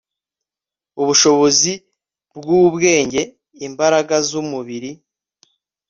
ubushobozi bw'ubwenge, imbaraga z'umubiri